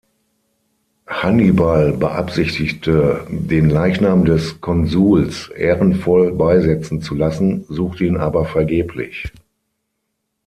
Hannibal beabsichtigte, den Leichnam des Konsuls ehrenvoll beisetzen zu lassen, suchte ihn aber vergeblich.